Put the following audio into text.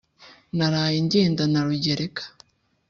naraye ngenda na rugereka